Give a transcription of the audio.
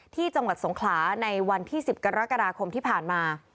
ที่จังหวัดสงขลาในวันที่๑๐กรกฎาคมที่ผ่านมา